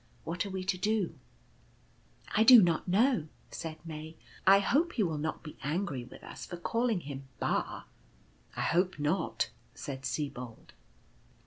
What are we to do ?" "I do not know," said May ; "I hope he will not be angry with us for calling him ' Ba/ "" I hope not," said Sibold.